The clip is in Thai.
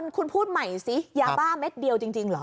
คุณพูดใหม่สิยาบ้าเม็ดเดียวจริงเหรอ